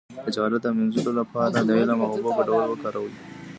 د جهالت د مینځلو لپاره د علم او اوبو ګډول وکاروئ